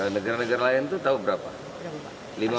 negara negara lain tuh tau berapa enam puluh ribu